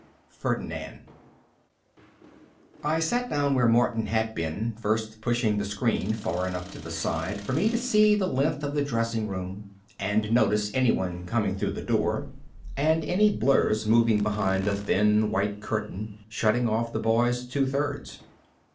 Ferdinand I sat down where Martin had been, first pushing the screen far enough to the side for me to see the length of the dressing room and notice anyone coming through the door and any blurs moving behind the thin white curtain shutting off the boys' two thirds.